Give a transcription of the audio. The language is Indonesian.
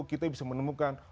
kita bisa menemukan